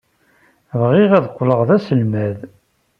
Bɣiɣ ad qqleɣ d aselmad.